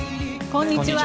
こんにちは。